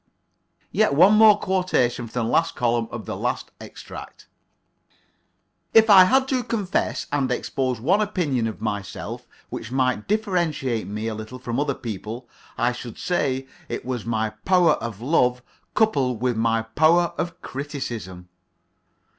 Yet one more quotation from the last column of the last extract: "If I had to confess and expose one opinion of myself which might differentiate me a little from other people, I should say it was my power of love coupled with my power of criticism."